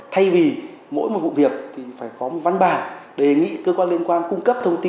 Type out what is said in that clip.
thay vì mỗi một vụ việc thì phải có một văn bản đề nghị cơ quan liên quan cung cấp thông tin